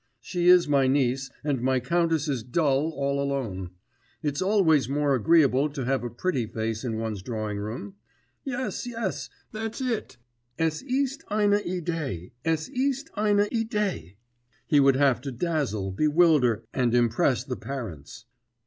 She is my niece, and my countess is dull all alone.... It's always more agreeable to have a pretty face in one's drawing room.... Yes, yes; ... that's it; es ist eine Idee, es ist eine Idee!' He would have to dazzle, bewilder, and impress the parents.